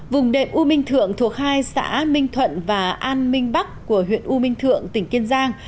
vùng đệm u minh thượng thuộc hai xã minh thuận và an minh bắc của huyện u minh thượng tỉnh kiên giang